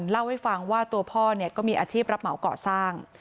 เล่าให้ฟังว่าตัวพ่อก็มีอาชีพรับเหมาก่อสร้าง